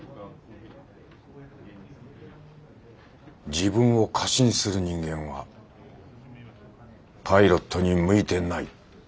自分を過信する人間はパイロットに向いてない。